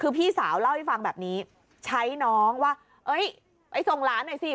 คือพี่สาวเล่าให้ฟังแบบนี้ใช้น้องว่าเอ้ยไปส่งหลานหน่อยสิ